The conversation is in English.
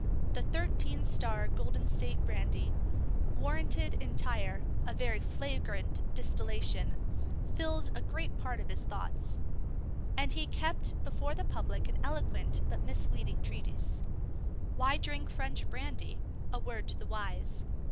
The Thirteen Star Golden State Brandy, Warranted Entire (a very flagrant distillation) filled a great part of his thoughts, and was kept before the public in an eloquent but misleading treatise: _Why Drink French Brandy? A Word to the Wise.